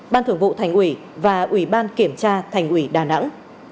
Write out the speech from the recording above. ban thưởng vụ thành ủy và ủy ban kiểm tra thành ủy đà nẵng